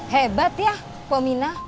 hebat ya pominah